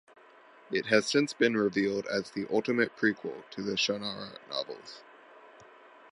It has since been revealed as the "ultimate prequel" to the "Shannara" novels.